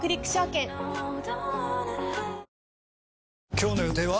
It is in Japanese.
今日の予定は？